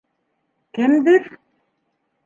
Кемдер?